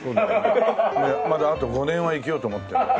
まだあと５年は生きようと思ってるんだよね